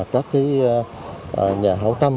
các nhà hảo tâm